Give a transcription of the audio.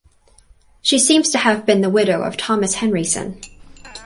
She seems to have been the widow of Thomas Henryson.